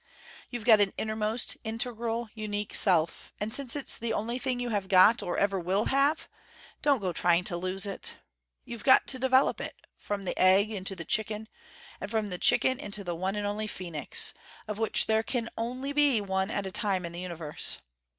You've got an innermost, integral unique self, and since it's the only thing you have got or ever will have, don't go trying to lose it. You've got to develop it, from the egg into the chicken, and from the chicken into the one and only phoenix, of which there can only be one at a time in the universe.